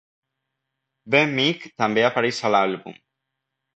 Ben Mink també apareix a l'àlbum.